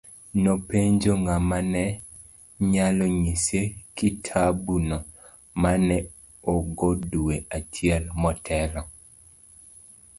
Nopenjo ng'ama ne nyalo nyise kitabuno ma ne ogo dwe achiel motelo.